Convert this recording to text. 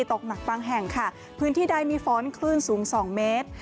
ตกหนักบางแห่งค่ะพื้นที่ใดมีฝนคลื่นสูง๒เมตร